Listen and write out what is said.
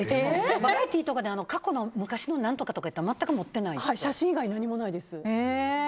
バラエティーとかで過去の何とかとかって写真以外何もないです。